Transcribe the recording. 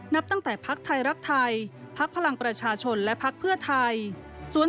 นับตั้งแต่พักไทยรักไทยพักพลังประชาชนและพักเพื่อไทย